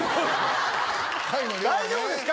大丈夫ですか？